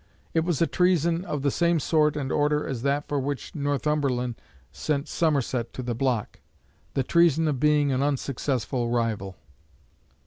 It was a treason of the same sort and order as that for which Northumberland sent Somerset to the block: the treason of being an unsuccessful rival.